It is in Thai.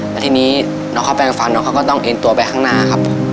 แล้วทีนี้น้องเขาแปลงฟันน้องเขาก็ต้องเอ็นตัวไปข้างหน้าครับ